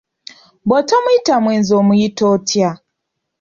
Bw'otomuyita mwenzi omuyita otya?